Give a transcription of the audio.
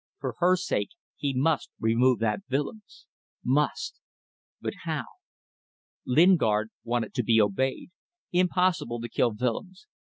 For her sake he must remove that Willems. Must. But how? Lingard wanted to be obeyed. Impossible to kill Willems.